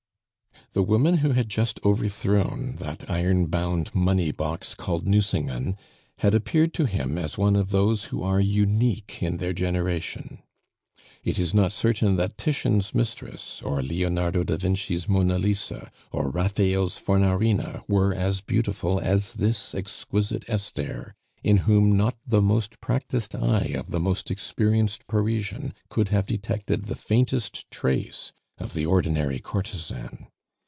The woman who had just overthrown that iron bound money box, called Nucingen, had appeared to him as one of those who are unique in their generation. It is not certain that Titian's mistress, or Leonardo da Vinci's Monna Lisa, or Raphael's Fornarina were as beautiful as this exquisite Esther, in whom not the most practised eye of the most experienced Parisian could have detected the faintest trace of the ordinary courtesan.